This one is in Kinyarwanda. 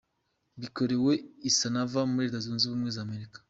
Bikorewe I Savannah muri Leta Zunze Ubumwe za Amerika,